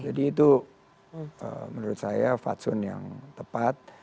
jadi itu menurut saya fatsun yang tepat